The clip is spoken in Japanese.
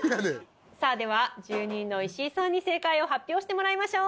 さあでは住人の石井さんに正解を発表してもらいましょう。